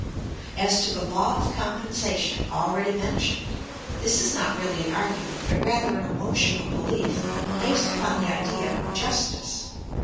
As to the law of compensation, already mentioned, this is not really an argument but rather an emotional belief, based upon the idea of justice.